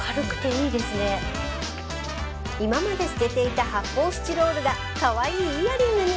今まで捨てていた発泡スチロールがカワイイイヤリングに